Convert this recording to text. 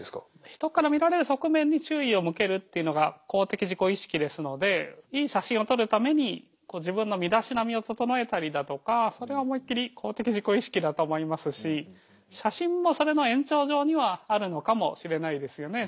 人から見られる側面に注意を向けるっていうのが公的自己意識ですのでいい写真を撮るために自分の身だしなみを整えたりだとかそれは思いっきり公的自己意識だと思いますし写真もそれの延長上にはあるのかもしれないですよね。